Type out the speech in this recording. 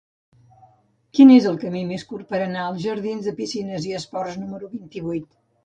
Quin és el camí més curt per anar als jardins de Piscines i Esports número vint-i-vuit?